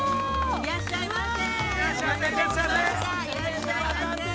いらっしゃいませ。